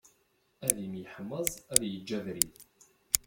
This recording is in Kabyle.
Ad imyeḥmaẓ ad yeǧǧ abrid.